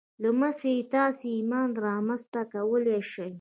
له مخې یې تاسې ایمان رامنځته کولای شئ